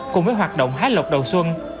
cùng với hoạt động hái lọc đầu xuân